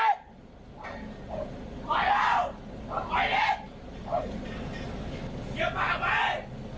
เดี๋ยวผ่านไป